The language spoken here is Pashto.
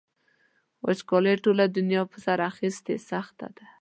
وچکالۍ ټوله دنیا په سر اخیستې سخته ده.